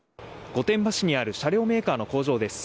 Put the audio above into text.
御殿場市にある車両メーカーの工場です。